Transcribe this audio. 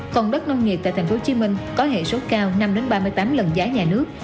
phần đất nông nghiệp tại tp hcm có hệ số cao năm ba mươi tám lần giá nhà nước